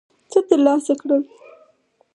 څه ترلاسه کړل.